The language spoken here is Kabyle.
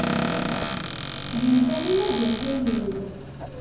Din kan i mazal tayri-w.